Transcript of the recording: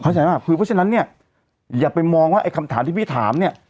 เข้าใจป่ะคือเพราะฉะนั้นเนี่ยอย่าไปมองว่าไอ้คำถามที่พี่ถามเนี่ย